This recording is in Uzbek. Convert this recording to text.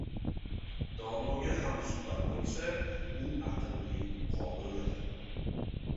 – donoga hamsuhbat bo‘lsa u aqlli, qobildir;